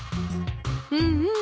うんうん。